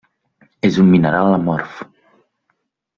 És un mineral amorf.